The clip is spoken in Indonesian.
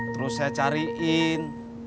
terus saya cariin